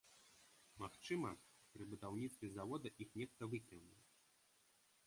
Магчыма, пры будаўніцтве завода іх нехта выкінуў.